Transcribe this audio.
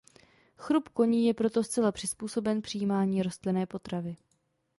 Chrup koní je proto zcela přizpůsoben přijímání rostlinné potravy.